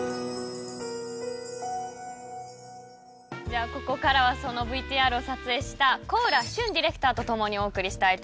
じゃあここからはそのＶＴＲを撮影した小浦舜ディレクターとともにお送りしたいと思います。